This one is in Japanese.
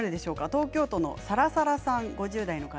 東京都の方から５０代の方。